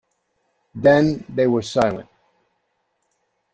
Then they were silent.